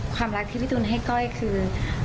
ความรักที่พี่ตูนให้ก้อยคือ